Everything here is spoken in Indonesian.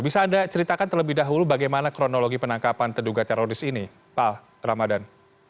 bisa anda ceritakan terlebih dahulu bagaimana kronologi penangkapan terduga teroris ini pak ramadan